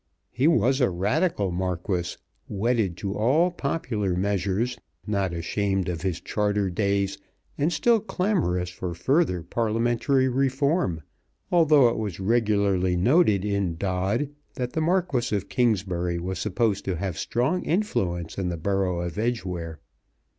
He was a Radical Marquis, wedded to all popular measures, not ashamed of his Charter days, and still clamorous for further Parliamentary reform, although it was regularly noted in Dod that the Marquis of Kingsbury was supposed to have strong influence in the Borough of Edgeware.